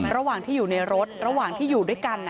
ระหว่างที่อยู่ในรถระหว่างที่อยู่ด้วยกัน